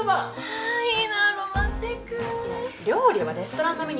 はい。